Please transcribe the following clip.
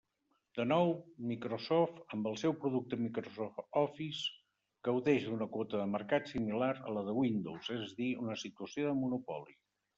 De nou, Microsoft, amb el seu producte Microsoft Office, gaudeix d'una quota de mercat similar a la de Windows, és a dir, una situació de monopoli.